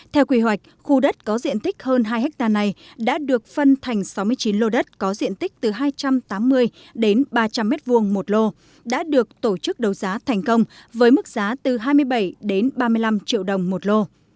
theo quy hoạch khu đất có diện tích hơn hai hectare này đã được phân thành sáu mươi chín lô đất có diện tích từ hai trăm tám mươi đến ba trăm linh m hai một lô đã được tổ chức đấu giá thành công với mức giá từ hai mươi bảy đến ba mươi năm triệu đồng một lô